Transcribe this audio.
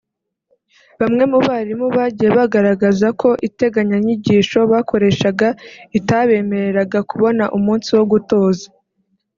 Bamwe mu barimu bagiye bagaragaza ko integanyanyigisho bakoreshaga itabemereraga kubona umunsi wo gutoza